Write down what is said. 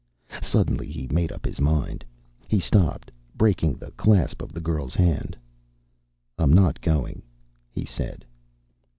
Suddenly he made up his mind. He stopped, breaking the clasp of the girl's hand. "I'm not going," he said.